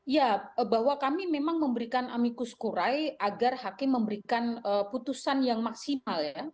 ya bahwa kami memang memberikan amikus kurai agar hakim memberikan putusan yang maksimal ya